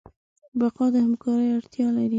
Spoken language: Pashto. بقا د همکارۍ اړتیا لري.